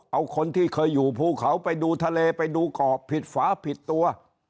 เอาคนที่เคยอยู่ภูเขาไปดูทะเลไปดูเกาะผิดฝาผิดตัว